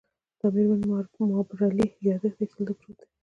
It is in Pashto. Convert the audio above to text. دا د میرمن مابرلي یادښت دی چې دلته پروت دی